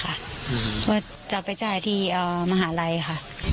แล้วถ้าจะคุณตาร้ายยิง